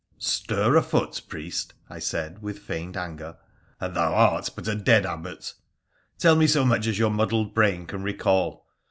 ' Stir a foot, priest,' I said, with feigned anger, ' and thou art but a dead Abbot ! Tell me so much as your muddled brain can recall.